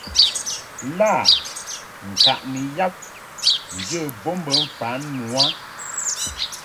Lâ ŋkaʼni yab njə bo bə mfan nu a.